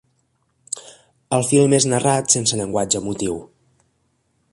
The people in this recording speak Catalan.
El film és narrat sense llenguatge emotiu.